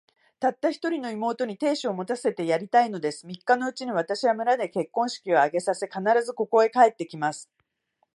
たった一人の妹に、亭主を持たせてやりたいのです。三日のうちに、私は村で結婚式を挙げさせ、必ず、ここへ帰って来ます。